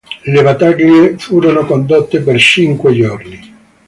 Le battaglie furono condotte per cinque giorni.